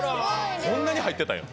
こんなに入ってたんや。